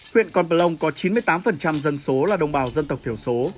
huyện con bà long có chín mươi tám dân số là đồng bào dân tộc thiểu số